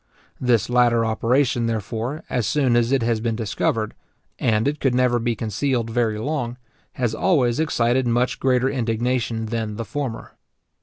This latter operation, therefore, as soon as it has been discovered, and it could never be concealed very long, has always excited much greater indignation than the former.